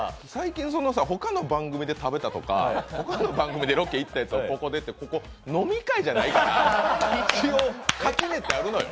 他の番組で食べたとか、他の番組でいったとかここでって、ここ飲み会じゃないから、一応垣根ってあんのよ。